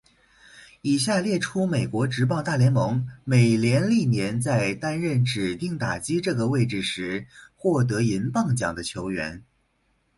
以下列出美国职棒大联盟美联历年在担任指定打击这个位置时获得银棒奖的球员。